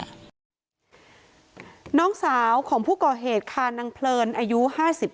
น้องสาวของผู้ก่อเหตุค่ะนางเพลินอายุ๕๙